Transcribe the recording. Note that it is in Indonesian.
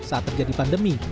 saat terjadi pandemi